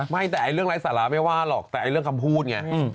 ไม่แต่เรื่องไร้สาระไม่ว่าหรอกแต่เรื่องคำพูดไง